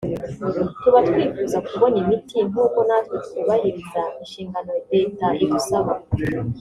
tuba twifuza kubona imiti nk’uko natwe twubahiriza inshingano Leta idusaba